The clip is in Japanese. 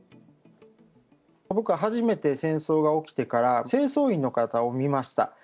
僕は初めて戦争が起きてから、清掃員の方を見ました。